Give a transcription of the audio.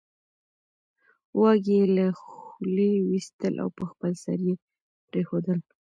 واګی یې له خولې وېستل او په خپل سر یې پرېښودل